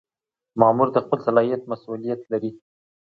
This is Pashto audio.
مامور د خپل صلاحیت مسؤلیت لري.